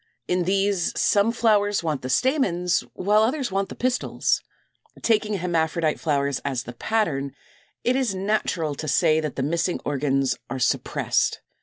In these some flowers want the stamens, while others want the pistils. Taking hermaphrodite flowers as the pattern, it is natural to say that the missing organs are suppressed.